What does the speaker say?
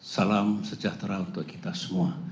salam sejahtera untuk kita semua